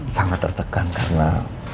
sangat tertekan karena